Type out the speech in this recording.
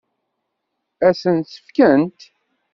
Ad sent-tt-fkent?